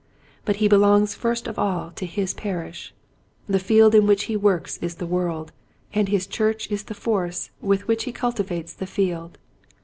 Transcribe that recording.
But he belongs first of all to his parish. The field in which he works is the world, and his church is the force with which he cultivates the field.